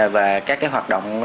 và các cái hoạt động